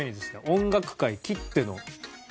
音楽界きっての大詩人。